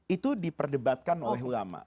itu diperdebatkan oleh ulama